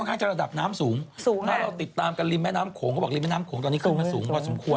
ถ้าติดตามกันริมแม่น้ำโขงก็บอกตอนนี้ขึ้นมาสูงพอสมควร